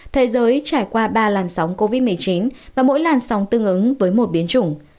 thế giới trải qua ba làn sóng covid một mươi chín và mỗi làn sóng tương ứng với một biến chủng